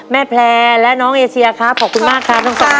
แม่แพลนและน้องเอเซียครับขอบคุณมากค่ะทั้งสองคนนะคะ